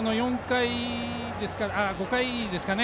５回ですかね。